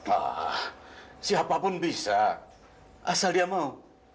ah siapapun bisa asal dia mau